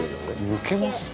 「むけますか？」